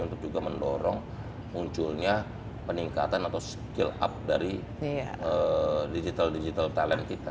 untuk juga mendorong munculnya peningkatan atau skill up dari digital digital talent kita